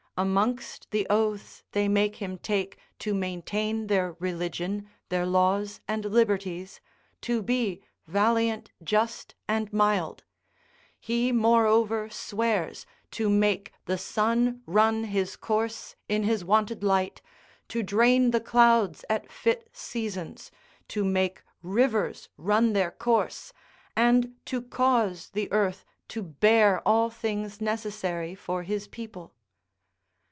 Amongst the oaths they make him take to maintain their religion, their laws, and liberties, to be valiant, just, and mild, he moreover swears to make the sun run his course in his wonted light, to drain the clouds at fit seasons, to make rivers run their course, and to cause the earth to bear all things necessary for his people.